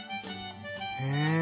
へえ。